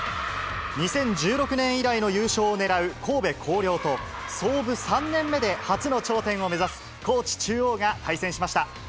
２０１６年以来の優勝を狙う神戸弘陵と、創部３年目で初の頂点を目指す高知中央が対戦しました。